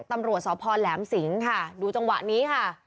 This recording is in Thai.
ตำรวจสพแหลมสิงค่ะดูจังหวะนี้ค่ะ